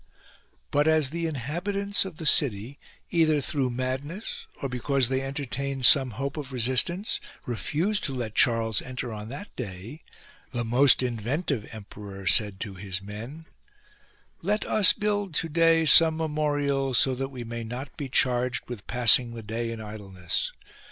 But as the inhabitants of the city, either through madness or because they entertained some hope of resistance, refused to let Charles enter on that day, the most inventive emperor said to his men : "Let us build to day some memorial, so that we may not be charged with passing the day in idleness.